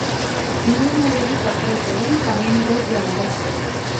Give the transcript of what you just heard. நீர்மூழ்கிக் கப்பல்களின் பயன்கள் யாவை?